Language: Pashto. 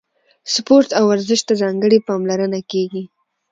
سپورت او ورزش ته ځانګړې پاملرنه کیږي.